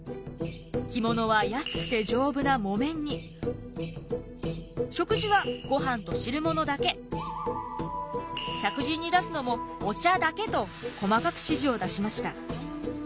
着物は安くて丈夫な木綿に食事はごはんと汁物だけ客人に出すのもお茶だけと細かく指示を出しました。